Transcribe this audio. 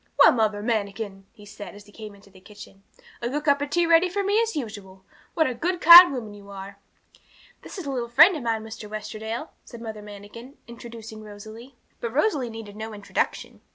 'Well, Mother Manikin,' he said, as he came into the kitchen, 'a good cup of tea ready for me as usual! What a good, kind woman you are!' 'This is a little friend of mine, Mr. Westerdale,' said Mother Manikin, introducing Rosalie. But Rosalie needed no introduction.